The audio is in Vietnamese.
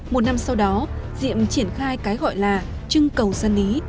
một năm sau đó diệm triển khai cái gọi là trưng cầu dân lý